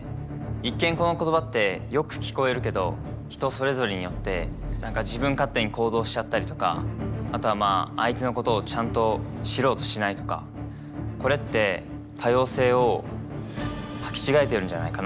一見この言葉ってよく聞こえるけど人それぞれによって何か自分勝手に行動しちゃったりとかあとはまあ相手のことをちゃんと知ろうとしないとかこれって多様性をはき違えてるんじゃないかな。